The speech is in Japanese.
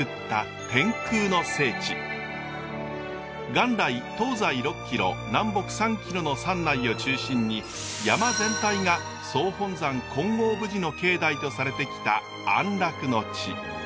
元来東西６キロ南北３キロの山内を中心に山全体が総本山金剛峯寺の境内とされてきた安楽の地。